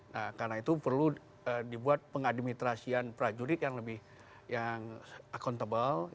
nah karena itu perlu dibuat pengadministrasian prajurit yang lebih yang accountable